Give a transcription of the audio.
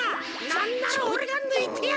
なんならオレがぬいてやる！